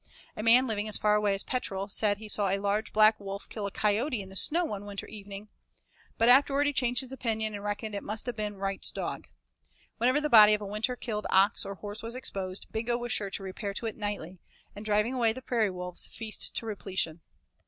A man living as far away as Petrel said he saw a large black wolf kill a coyote on the snow one winter evening, but afterward he changed his opinion and 'reckoned it must 'a' been Wright's dog.' Whenever the body of a winter killed ox or horse was exposed, Bingo was sure to repair to it nightly, and driving away the prairie wolves, feast to repletion.